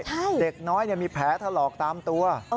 เด็กน้อยมีแผลถลอกตามตัว